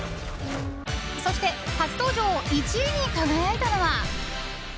そして初登場１位に輝いたのは。